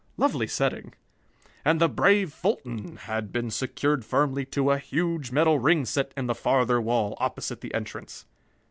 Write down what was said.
Lovely setting! And the brave Fulton had been secured firmly to a huge metal ring set in the farther wall, opposite the entrance.